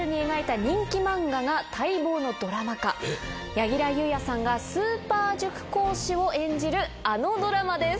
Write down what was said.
柳楽優弥さんがスーパー塾講師を演じるあのドラマです。